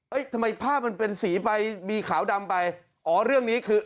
ทำไมภาพมันเป็นสีไปมีขาวดำไปอ๋อเรื่องนี้คือ